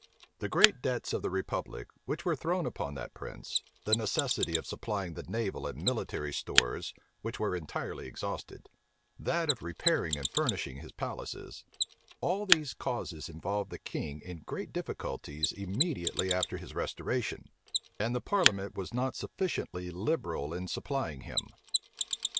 The great debts of the republic, which were thrown upon that prince; the necessity of supplying the naval and military stores, which were entirely exhausted;[*] that of repairing and furnishing his palaces: all these causes involved the king in great difficulties immediately after his restoration; and the parliament was not sufficiently liberal in supplying him.